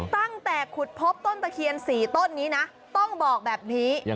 ตั้งแต่ขุดพบต้นตะเคียน๔ต้นนี้นะต้องบอกแบบนี้